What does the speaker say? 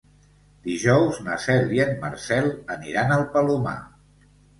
Dijous na Cel i en Marcel aniran al Palomar.